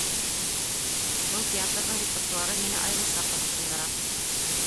Был театрҙың репертуары мине айырыуса ҡыҙыҡһындыра